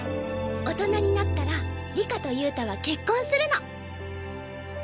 大人になったら里香と憂太は結婚するの」